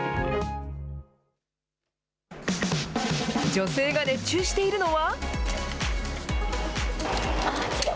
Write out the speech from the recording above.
女性が熱中しているのは。